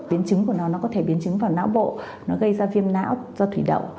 biến chứng của nó nó có thể biến chứng vào não bộ nó gây ra viêm não do thủy đậu